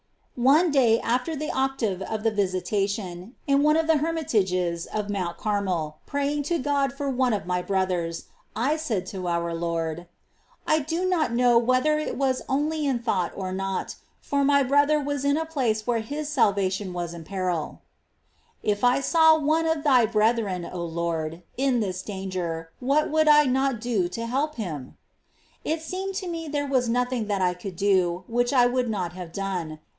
11. One day after the Octave of the Visitation, Themonas ."^ tery of the m ouc of the hcrmitas^es of Mount Carmel, prayinff Incarnation. *' i ./ o to God for one of my brothers, I said to our Lord, — I do not know whether it was only in thought or not, for my brother was in a place where his salvation w^as in peril, —" If I saw one of Thy brethren, Lord, in this danger, what would I not do to help him !" It seemed to me there w^as nothing that I could do which I would not have done.